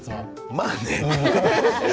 まあね。